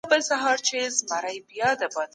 توازن په وخت جوړېږي.